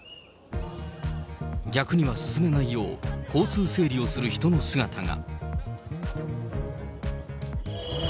逆には進めないよう、交通整理をする人の姿が。